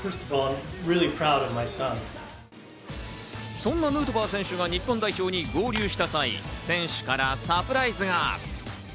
そんなヌートバー選手が日本代表に合流した際、選手からサプライズが。